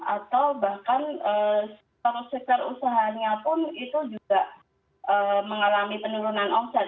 atau bahkan sektor sektor usahanya pun itu juga mengalami penurunan omset